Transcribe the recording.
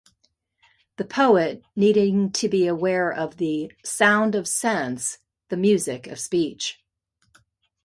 The poet needing to be aware of the 'sound of sense; the music of speech'.